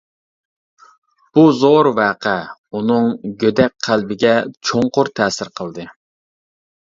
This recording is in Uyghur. بۇ زور ۋەقە ئۇنىڭ گۆدەك قەلبىگە چوڭقۇر تەسىر قىلدى.